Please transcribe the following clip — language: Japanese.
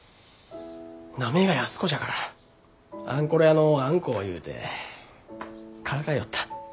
名前が安子じゃからあんころ屋のあんこ言うてからかよった。